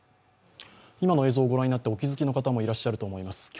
今の映像を御覧になってお気付きの方もいらっしゃると思います。